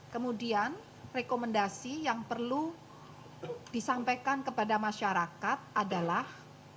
kemudian rekomendasi yang perlu disampaikan kepada masyarakat adalah